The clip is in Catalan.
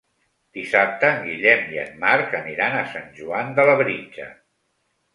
Dissabte en Guillem i en Marc aniran a Sant Joan de Labritja.